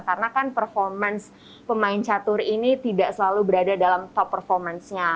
karena kan performance pemain chatur ini tidak selalu berada dalam top performance nya